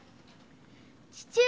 父上！